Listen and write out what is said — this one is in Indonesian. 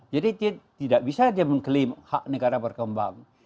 jadi dia tidak bisa dia mengklaim hak negara berkembang